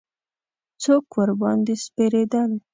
څوک ورباندې سپرېدل.